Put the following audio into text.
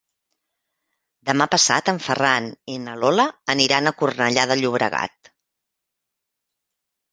Demà passat en Ferran i na Lola aniran a Cornellà de Llobregat.